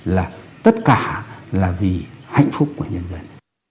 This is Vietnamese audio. là tất cả là vì hạnh phúc của nhân dân